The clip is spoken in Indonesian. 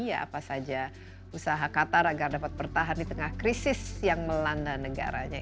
ya apa saja usaha qatar agar dapat bertahan di tengah krisis yang melanda negaranya